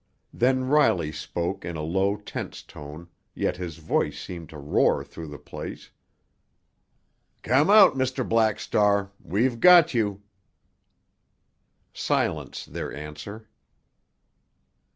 Then Riley spoke in a low, tense tone, yet his voice seemed to roar through the place: "Come out, Mr. Black Star! We've got you!" Silence their answer!